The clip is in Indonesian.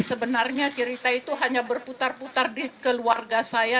sebenarnya cerita itu hanya berputar putar di keluarga saya